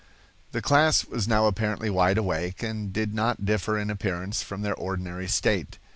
The class was now apparently wide awake, and did not differ in appearance from their ordinary state.